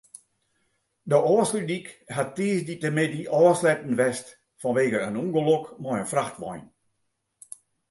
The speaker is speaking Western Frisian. De Ofslútdyk hat tiisdeitemiddei ôfsletten west fanwegen in ûngelok mei in frachtwein.